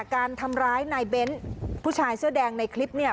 การทำร้ายนายเบ้นผู้ชายเสื้อแดงในคลิปเนี่ย